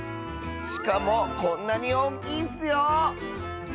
しかもこんなにおおきいッスよ！